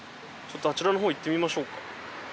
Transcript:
あちらのほう行ってみましょうか。